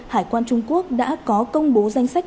hải quan trung quốc đã có công bố danh sách